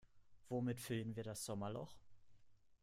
Womit füllen wir das Sommerloch?